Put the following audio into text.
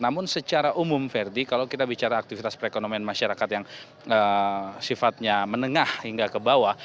namun secara umum verdi kalau kita bicara aktivitas perekonomian masyarakat yang sifatnya menengah hingga ke bawah